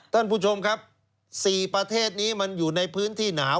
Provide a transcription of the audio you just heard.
ท่านผู้ชมครับ๔ประเทศนี้มันอยู่ในพื้นที่หนาว